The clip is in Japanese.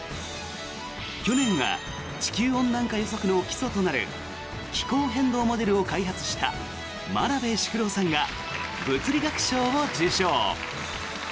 去年は地球温暖化予測の基礎となる気候変動モデルを開発した真鍋淑郎さんが物理学賞を受賞。